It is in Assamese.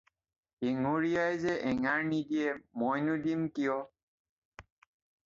“এঙাৰীয়াই যে এঙাৰ নিদিয়ে মইনো দিম কিয়?”